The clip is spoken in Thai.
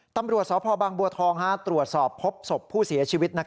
ตำรวจสพบังบัวทองตรวจสอบพบศพผู้เสียชีวิต